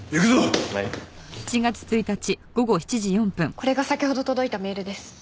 これが先ほど届いたメールです。